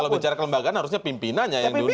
kalau bicara ke lembaga harusnya pimpinannya yang diundang